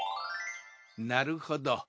なるほど。